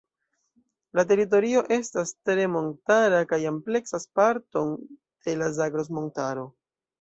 La teritorio estas tre montara kaj ampleksas parton de la Zagros-Montaro.